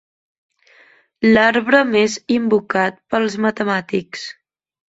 L'arbre més invocat pels matemàtics.